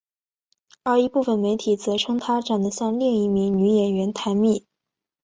而一部分媒体则称她长得像另一名女演员坛蜜。